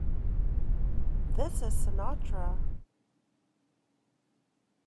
This Is Sinatra!